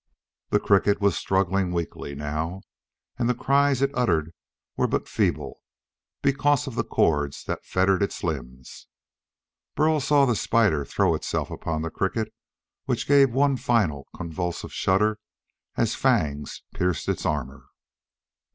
The cricket was struggling weakly, now, and the cries it uttered were but feeble, because of the cords that fettered its limbs. Burl saw the spider throw itself upon the cricket which gave one final, convulsive shudder as fangs pierced its armor.